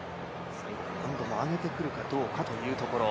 難度を上げてくるかどうかというところ。